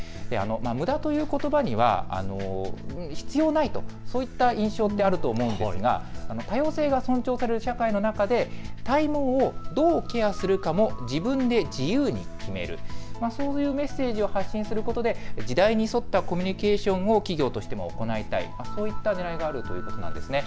むだということばには必要ないものという印象がありますが多様性が尊重される社会の中で体毛をどうケアするかも自分で自由に決める、そういうメッセージを発信することで時代に沿ったコミュニケーションを企業としても行いたい、そういったねらいがあるということなんです。